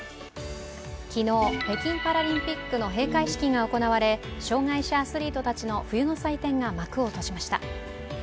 昨日、北京パラリンピックの閉会式が行われ障がい者アスリートたちの冬の祭典が幕を閉じました。